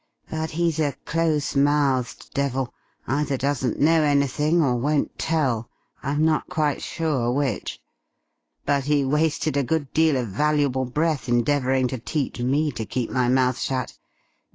But he's a close mouthed devil. Either doesn't know anything, or won't tell. I'm not quite sure which. But he wasted a good deal of valuable breath endeavouring to teach me to keep my mouth shut.